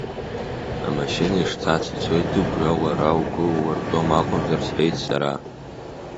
Амашьына шцац ицоит Дыгәра, уара угәы уартәом акәымзар, — сҳәеит сара.